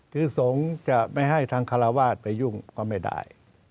คือสงฆ์จะไม่ให้ทางคาราวาสไปยุ่งก็ไม่ได้